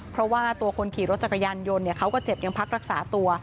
เพราะว่าตัวคนขี่รถจักรยานยนต์เขาก็เจ็บยังพักรักษาตัว